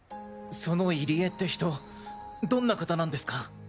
その入江って人どんな方なんですか？